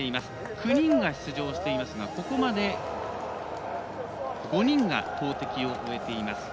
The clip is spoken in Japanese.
９人が出場していますがここまで５人が投てきを終えています。